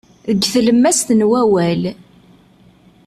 Deg tlemmast n wawal.